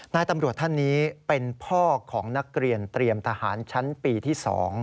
นายตำรวจท่านนี้เป็นพ่อของนักเรียนเตรียมทหารชั้นปีที่๒